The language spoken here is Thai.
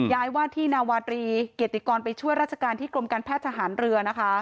ย้ายว่าที่นาวาตรีเกียรติกรไปช่วยราชการที่กรมการแพทย์ทหารเรือนะคะ